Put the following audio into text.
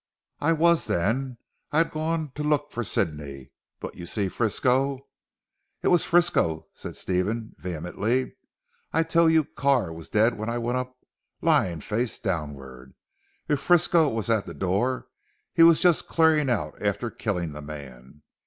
"I was then. I had gone to look for Sidney. But you see Frisco " "It was Frisco," said Stephen vehemently. "I tell you Carr was dead when I went up, lying face downward. If Frisco was at the door, he was just clearing out after killing the man.